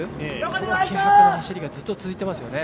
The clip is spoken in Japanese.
その気迫の走りがずっと続いてますよね。